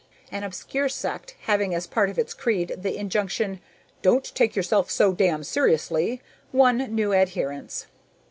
An obscure sect, having as part of its creed the injunction "Don't take yourself so damn seriously," won new adherents.